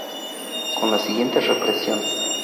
Con la siguiente represión.